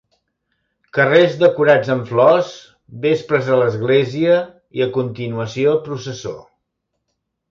Carrers decorats amb flors, Vespres a l'Església i a continuació Processó.